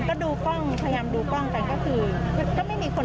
ก็ดูกล้องพยายามดูกล้องกันก็คือเขาไม่มีคนเดินข้างกำแพง